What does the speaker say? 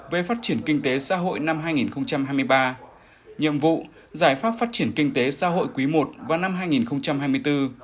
về phát triển kinh tế xã hội năm hai nghìn hai mươi ba nhiệm vụ giải pháp phát triển kinh tế xã hội quý i và năm hai nghìn hai mươi bốn